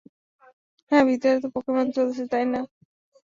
হ্যাঁ, ভিতরে তো পোকেমন চলছে, তাই না?